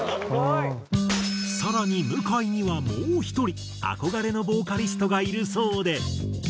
更に向井にはもう１人憧れのボーカリストがいるそうで。